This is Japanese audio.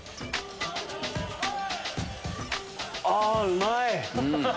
あうまい！